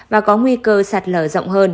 và có nguy cơ sát lờ rộng hơn